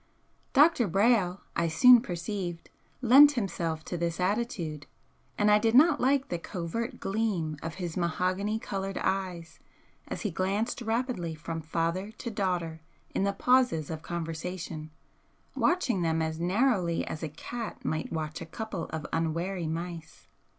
Dr. Brayle, I soon perceived, lent himself to this attitude, and I did not like the covert gleam of his mahogany coloured eyes as he glanced rapidly from father to daughter in the pauses of conversation, watching them as narrowly as a cat might watch a couple of unwary mice.